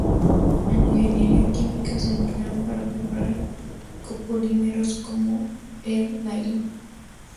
En ingeniería química se emplean para preparar copolímeros como el nailon.